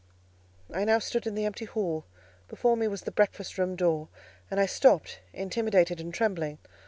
I now stood in the empty hall; before me was the breakfast room door, and I stopped, intimidated and trembling.